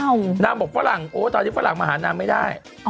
นางบอกฝรั่งโอ้ตอนนี้ฝรั่งมาหานางไม่ได้